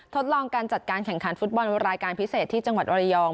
ทดลองการจัดการแข่งขันฟุตบอลรายการพิเศษที่จังหวัดอรยอง